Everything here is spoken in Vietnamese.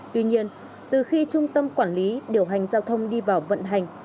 tuy nhiên từ khi trung tâm quản lý điều hành giao thông đi vào vận hành